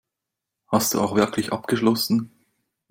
Hast du auch wirklich abgeschlossen?